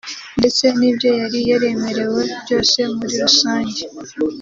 ndetse n’ibyo yari yaremerewe byose muri rusange